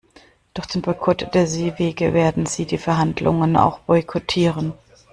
Durch den Boykott der Seewege werden sie die Verhandlungen auch boykottieren.